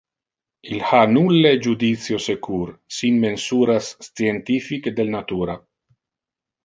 Il ha nulle judicio secur sin mensuras scientific del natura.